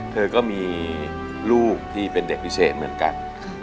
เธอก็มีลูกที่เป็นเด็กพิเศษเหมือนกัน